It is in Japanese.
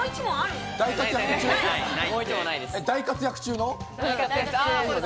大活躍中の。